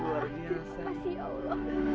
terima kasih ya allah